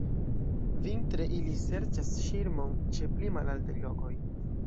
Vintre ili serĉas ŝirmon ĉe pli malaltaj lokoj.